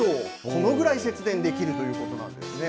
このぐらい節電できるということなんですね。